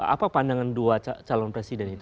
apa pandangan dua calon presiden itu